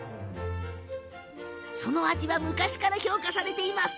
その味は昔から評価されています。